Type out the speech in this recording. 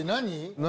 何？